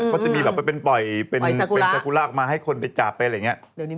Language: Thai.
เขาจะมีแบบไปเป็นปล่อยเป็นสกุระออกมาให้คนไปจับไปอะไรอย่างนี้